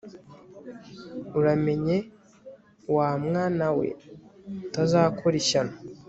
uramenye wamwanawe utazakora ishyano